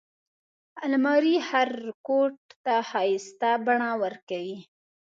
الماري هر کوټ ته ښايسته بڼه ورکوي